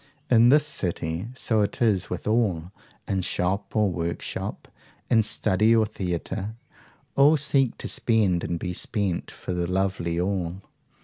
In this city so is it with all in shop or workshop, in study or theatre, all seek to spend and be spent for the lovely all.